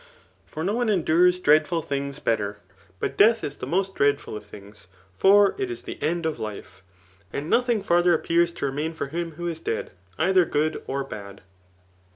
For no one endures dreadful things better. But death is the most dreadful of things ; for it is the end [of life] ; and nothing fiur* ther appears to remain for him who is dead, either good or bad.'